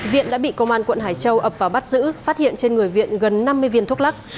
viện đã bị công an quận hải châu ập vào bắt giữ phát hiện trên người viện gần năm mươi viên thuốc lắc